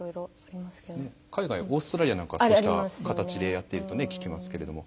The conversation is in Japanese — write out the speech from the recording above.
海外オーストラリアなんかはそうした形でやっていると聞きますけれども。